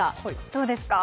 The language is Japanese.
どうですか？